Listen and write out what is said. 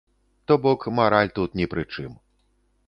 То бок мараль тут ні пры чым.